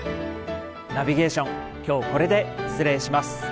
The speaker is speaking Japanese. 「ナビゲーション」今日はこれで失礼します。